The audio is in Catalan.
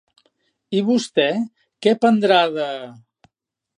I vostè, què prendrà de??